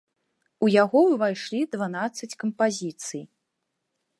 У яго ўвайшлі дванаццаць кампазіцый.